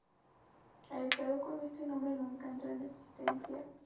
El estado con este nombre nunca entró en existencia.